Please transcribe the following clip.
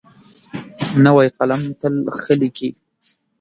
نوی قلم تل ښه لیکي.